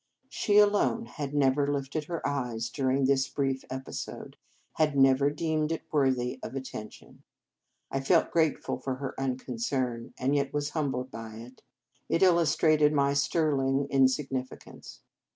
She alone had never lifted her eyes during this brief episode, had never deemed it worthy of attention. I felt grateful for her unconcern, and yet was humbled by it. It illustrated my sterling insignificance.